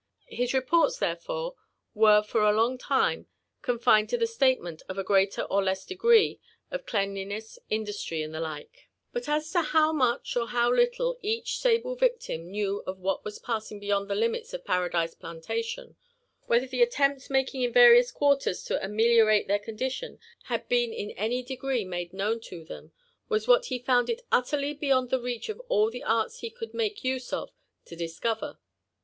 His reports therefore were for a long time confined to the statement of a greater or less degree of cleanliness, industry, and the like; but 56 LIFE AND ADVENTURES OF as to bow much or how little each sable victim knew of what was passing beyond the limits of Paradise Plantation — whether the attempts making in various quarters to ameliorate their eondilion had been in any degree made known to them, was what he found it utterly be^ yond the reach of all the arts he could make use of to discover.